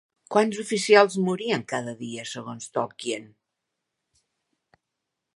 Quants oficials morien cada dia segons Tolkien?